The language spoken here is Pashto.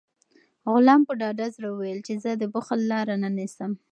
غلام په ډاډه زړه وویل چې زه د بخل لاره نه نیسم.